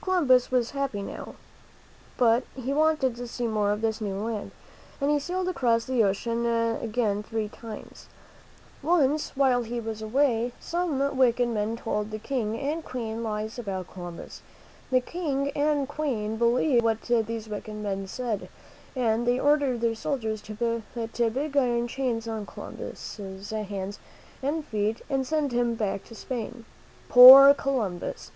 Columbus was happy now. But he wanted to see more of this new land, and he sailed across the ocean again three times. Once, while he was away, some wicked men told the King and Queen lies about Columbus. The King and Queen believed what these wicked men said, and they ordered their soldiers to put big iron chains on Columbus' hands and feet and send him back to Spain. Poor Columbus!